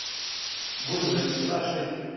Vous ne me laissez pas achever.